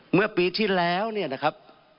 เมื่อปีที่แล้วเนี่ยนะครับ